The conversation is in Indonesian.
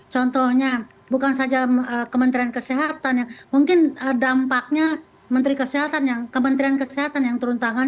contohnya bukan saja kementerian kesehatan mungkin dampaknya kementerian kesehatan yang turun tangan